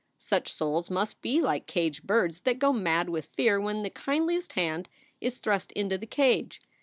Such souls must be like caged birds that go mad with fear when the kindliest hand is thrust into the cage.